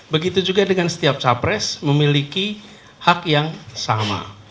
begitu juga dengan setiap capres memiliki hak yang sama